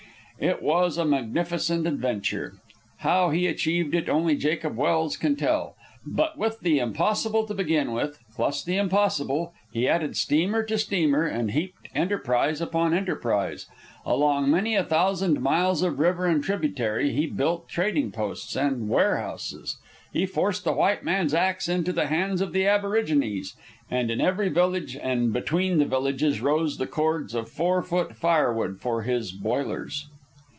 It was a magnificent adventure. How he achieved it only Jacob Welse can tell; but with the impossible to begin with, plus the impossible, he added steamer to steamer and heaped enterprise upon enterprise. Along many a thousand miles of river and tributary he built trading posts and warehouses. He forced the white man's axe into the hands of the aborigines, and in every village and between the villages rose the cords of four foot firewood for his boilers.